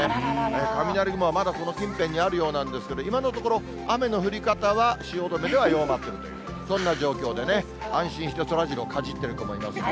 雷雲はまだこの近辺にあるようなんですけれども、今のところ、雨の降り方は、汐留では弱まっているという、そんな状況でね、安心して、そらジローかじってる子もいますね。